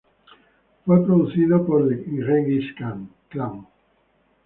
Fue producido por "The Genghis Klan".